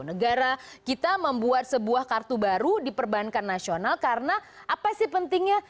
negara kita membuat sebuah kartu baru di perbankan nasional karena apa sih pentingnya